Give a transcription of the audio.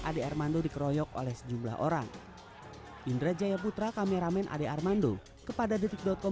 ade armando dikeroyok oleh sejumlah orang indra jayaputra kameramen ade armando kepada detik com